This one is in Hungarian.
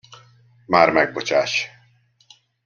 Már megbocsáss.